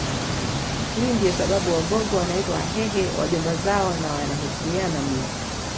Hii ndiyo sababu Wagogo wanawaita Wahehe Wajomba zao na wanaheshimiana mno